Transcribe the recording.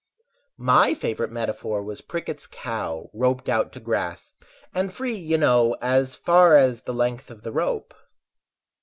My favorite metaphor was Prickett's cow Roped out to grass, and free you know as far As the length of the rope.